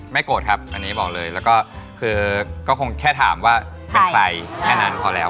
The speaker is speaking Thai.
โกรธครับอันนี้บอกเลยแล้วก็คือก็คงแค่ถามว่าเป็นใครแค่นั้นพอแล้ว